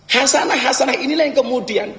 hasanah hasanah inilah yang kemudian